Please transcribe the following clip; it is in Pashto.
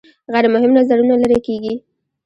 غیر مهم نظرونه لرې کیږي.